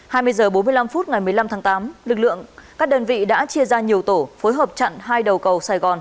hai mươi h bốn mươi năm phút ngày một mươi năm tháng tám lực lượng các đơn vị đã chia ra nhiều tổ phối hợp chặn hai đầu cầu sài gòn